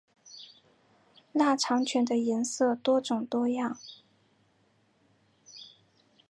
腊肠犬的颜色多种多样。